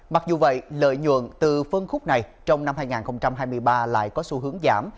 mặc dù vậy lợi nhuận từ phân khúc này trong năm hai nghìn hai mươi ba lại có xu hướng giảm